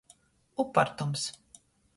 Upartums.